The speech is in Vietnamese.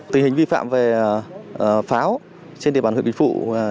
tình hình vi phạm về pháo trên địa bàn huyện kỳ phụ